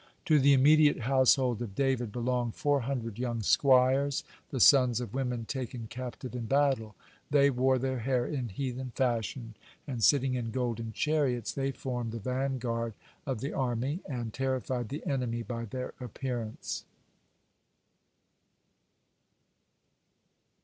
To the immediate household of David belonged four hundred young squires, the sons of women taken captive in battle. They wore their hair in heathen fashion, and, sitting in golden chariots, they formed the vanguard of the army, and terrified the enemy by their appearance.